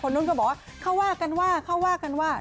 นุ่นก็บอกว่าเขาว่ากันว่าเขาว่ากันว่า